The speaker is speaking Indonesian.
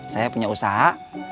saya punya usaha